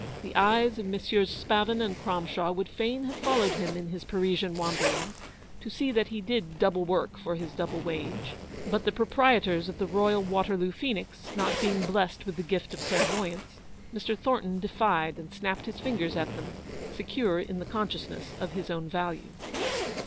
The eyes of Messrs. Spavin and Cromshaw would fain have followed him in his Parisian wanderings, to see that he did double work for his double wage ; but the proprietors of the Royal Waterloo Phoenix not beicg blest with the gift of clairvoyance, Mr. Thornton defied and snapped his fingers at them, secure in the consciousness of his own value.